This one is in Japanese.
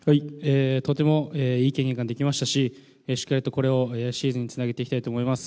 とてもいい経験ができましたし、しっかりとこれをシーズンにつなげていきたいと思います。